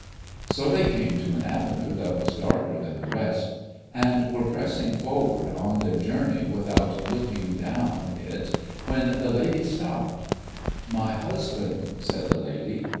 So, they came to an avenue that was darker than the rest, and were pressing forward on their journey without looking down it when the lady stopped. ' My husband,' said the lady.